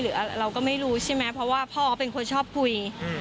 หรือเราก็ไม่รู้ใช่ไหมเพราะว่าพ่อเขาเป็นคนชอบคุย